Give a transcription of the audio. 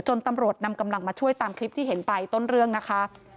ตำรวจนำกำลังมาช่วยตามคลิปที่เห็นไปต้นเรื่องนะคะ